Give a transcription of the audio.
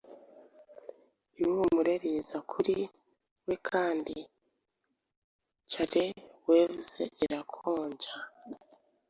Ihumure riza kuri wekandi care-waves irakonja